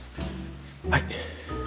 はい。